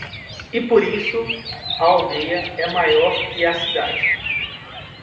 e por isso a aldeia é maior que a cidade...